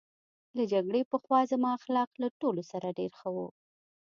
له جګړې پخوا زما اخلاق له ټولو سره ډېر ښه وو